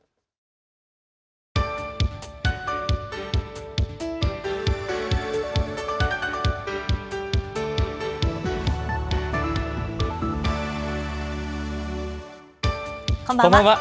こんばんは。